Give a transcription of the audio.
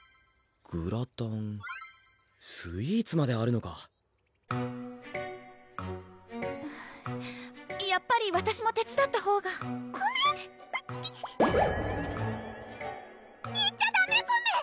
グラタンスイーツまであるのかやっぱりわたしも手つだったほうがコメ⁉行っちゃダメコメ！